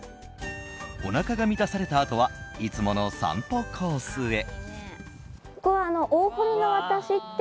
おなかが満たされたあとはいつもの散歩コースへ。